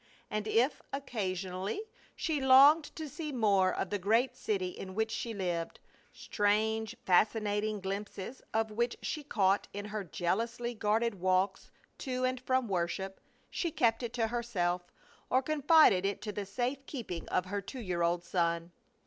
And if, occa sionally, she longed to see more of the great city in which she lived — strange fascinating glimpses of which she caught in her jealously guarded walks to and from worship — she kept it to herself, or confided it to the safe keeping of her two year old son.